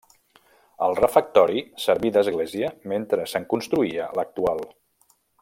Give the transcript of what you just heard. El refectori serví d'església mentre se'n construïa l'actual.